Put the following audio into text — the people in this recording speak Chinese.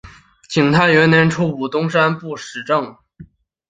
景泰元年出补山东布政使。